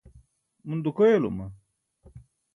un dukoyalama?